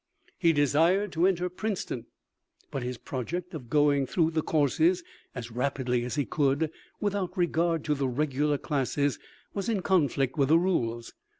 He desired to enter Princeton, but his project of going through the courses as rapidly as he could, without regard to the regular classes, was in conflict with the rules.